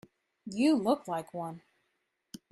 You look like one.